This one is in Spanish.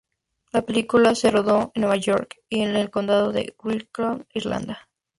La película se rodó en Nueva York y en el Condado de Wicklow, Irlanda.